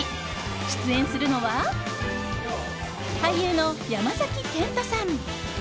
出演するのは俳優の山崎賢人さん。